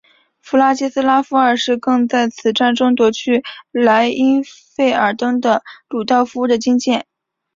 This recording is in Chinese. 弗拉季斯拉夫二世更在此战中夺去莱茵费尔登的鲁道夫的金剑。